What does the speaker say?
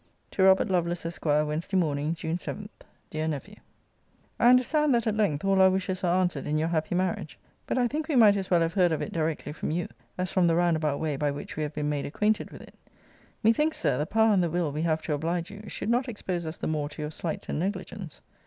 TO ROBERT LOVELACE, ESQ. WED. MORN. JUNE 7. DEAR NEPHEW, I understand that at length all our wishes are answered in your happy marriage. But I think we might as well have heard of it directly from you, as from the round about way by which we have been made acquainted with it. Methinks, Sir, the power and the will we have to oblige you, should not expose us the more to your slights and negligence.